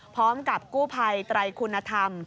พร้อมกับกู้ภัยไตรคุณธรรม